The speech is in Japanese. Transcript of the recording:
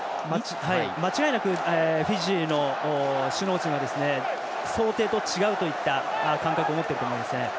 間違いなくフィジーの首脳陣は想定と違うといった感覚を持ってると思いますね。